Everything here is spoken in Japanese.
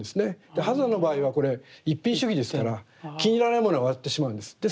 波山の場合はこれ一品主義ですから気に入らないものは割ってしまうんです。